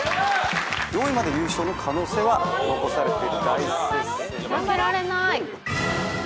４位まで優勝の可能性は残されてる大接戦。